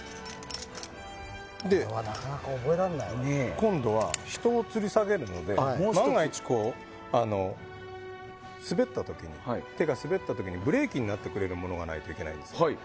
今度は人をつり下げるので万が一、手が滑った時にブレーキになってくれるものがないといけないんです。